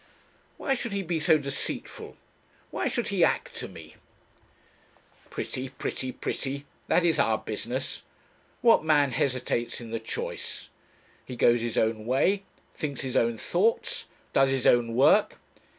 "Why should he be so deceitful? Why should he act to me ...? "Pretty, pretty, pretty that is our business. What man hesitates in the choice? He goes his own way, thinks his own thoughts, does his own work